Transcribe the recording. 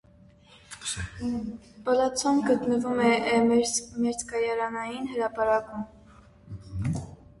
Պալացցոն գտնվում է մերձկայարանային հրապարակում։